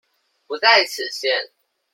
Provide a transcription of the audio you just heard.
不在此限